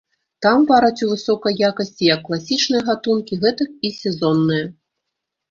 Там вараць у высокай якасці як класічныя гатункі, гэтак і сезонныя.